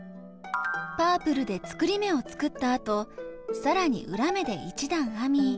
パープルで作り目を作ったあとさらに裏目で１段編み。